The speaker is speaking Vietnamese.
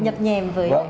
nhập nhèm với